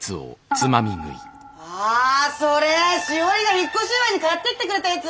あそれ詩織が引っ越し祝に買ってきてくれたやつ！